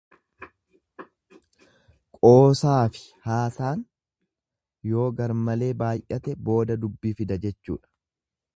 Qoosaafi haasaan yoo garmalee baay'ate booda dubbii fida jechuudha.